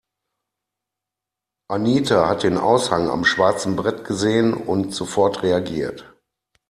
Anita hat den Aushang am schwarzen Brett gesehen und sofort reagiert.